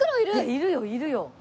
いるよいるよ。